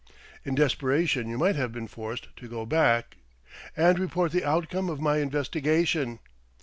"In desperation you might have been forced to go back " "And report the outcome of my investigation!"